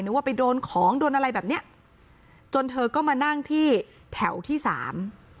ว่าไปโดนของโดนอะไรแบบเนี้ยจนเธอก็มานั่งที่แถวที่สาม